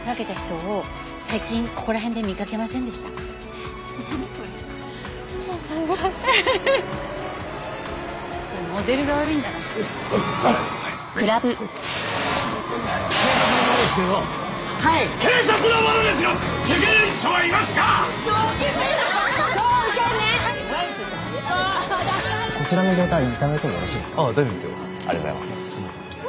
ありがとうございます。